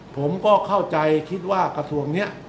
ผมก็เข้าใจคิดว่ากระทรวงนี้